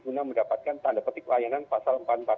guna mendapatkan tanda ketik layanan pasal empat puluh empat hp